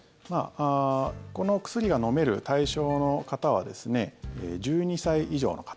このお薬が飲める対象の方は１２歳以上の方。